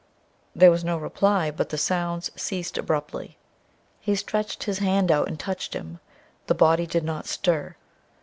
There was no reply, but the sounds ceased abruptly. He stretched his hand out and touched him. The body did not stir.